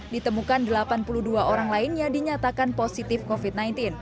ditemukan delapan puluh dua orang lainnya dinyatakan positif covid sembilan belas